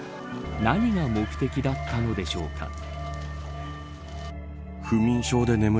何が目的だったのでしょうか。